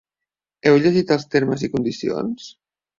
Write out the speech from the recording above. Heu llegit els termes i condicions?